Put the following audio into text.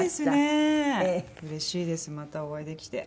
うれしいですまたお会いできて。